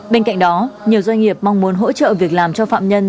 bên cạnh đó nhiều doanh nghiệp mong muốn hỗ trợ việc làm cho phạm nhân